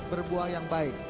berbuah yang baik